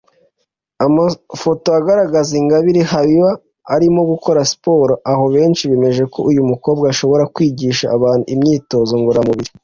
Amafoto agaragaza Ingabire Habiba arimo gukora Siporo aho benshi bemeje ko uyu mukobwa ashobora kwigisha abantu imyitozo ngororamubiri